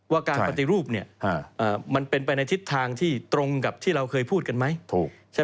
การปฏิรูปมันเป็นไปในทิศทางที่ตรงกับที่เราเคยพูดกันไหม